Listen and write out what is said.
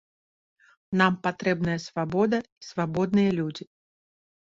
Нам патрэбная свабода і свабодныя людзі.